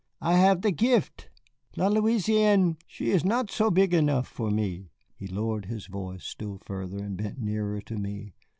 I have the gift. La Louisiane she is not so big enough for me." He lowered his voice still further, and bent nearer to me.